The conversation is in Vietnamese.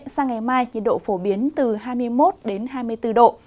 sang ngày mai nhiệt độ phổ biến từ hai mươi một đến hai mươi bốn độ